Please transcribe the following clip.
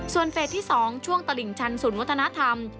ส่วนเฟสที่๒ช่วงตลิ่งชันศูนย์วัฒนธรรม